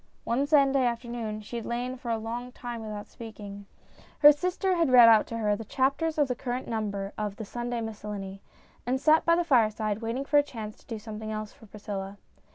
One Sunday afternoon she had lain for a long time without speaking. Her sister had read out to her the chapters of the current number of The Sunday Miscellany ', and sat by the fireside, waiting for a chance to do something else for Priscilla.